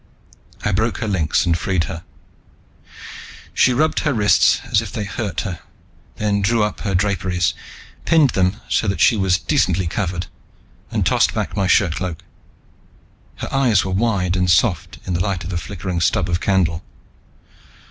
I broke her links and freed her. She rubbed her wrists as if they hurt her, then drew up her draperies, pinned them so that she was decently covered, and tossed back my shirtcloak. Her eyes were wide and soft in the light of the flickering stub of candle.